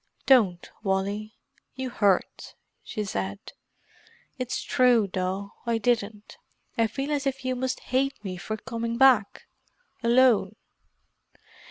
"Don't, Wally; you hurt," she said. "It's true, though; I didn't. I feel as if you must hate me for coming back—alone."